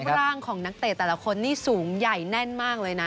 ร่างของนักเตะแต่ละคนนี่สูงใหญ่แน่นมากเลยนะ